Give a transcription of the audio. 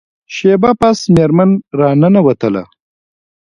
شیبه پس میرمن را ننوتله.